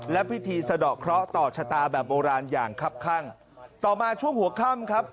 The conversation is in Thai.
และพิธีสะดอกเคราะห์ต่อชะตาแบบโบราณอย่างครับข้างต่อมาช่วงหัวค่ำครับ